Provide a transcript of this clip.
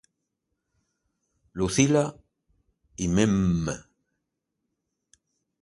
Lucila y Mme.